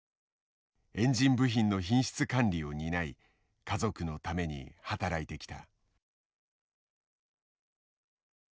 エンジン部品の品質管理を担い家族のために働いてきた。